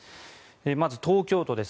まず東京都です。